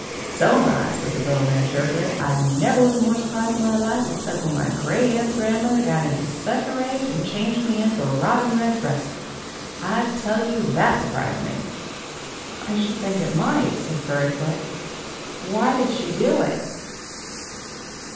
"So am I," said the little man, cheerfully. "I never was more surprised in my life, except when my great aunt's grandmother got into such a rage, and changed me into a robin redbreast. I tell you, that surprised me!" "I should think it might," said Fairyfoot. "Why did she do it?"